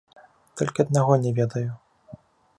Толькі аднаго не ведаю.